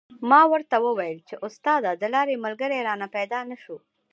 ما ورته و ویل چې استاده د لارې ملګری رانه پیدا نه شو.